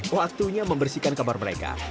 waktunya membersihkan kabar mereka